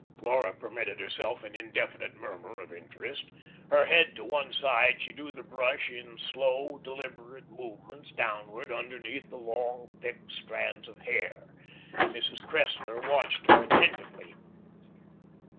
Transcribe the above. Laura permitted herself an indefinite murmur of interest. Her head to one side, she drew the brush in slow, deliberate movements downward underneath the long, thick strands of her hair. Mrs. Cressler watched her attentively.